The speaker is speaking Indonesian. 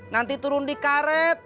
nanti turun di karet